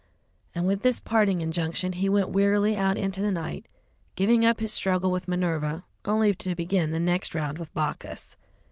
And with this parting injunction he went wearily out into the night, giving up his struggle with Minerva, only to begin the next round with Bacchus.